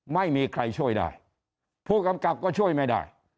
ไม่มีใครช่วยได้ผู้กำกับก็ช่วยไม่ได้